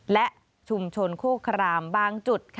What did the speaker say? และชุมชนโคครามบางจุด